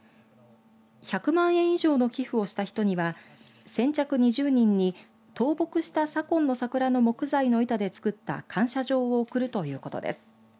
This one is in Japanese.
１００万円以上の寄付をした人には先着２０人に倒木した左近の桜の木材の板で作った感謝状を贈るということです。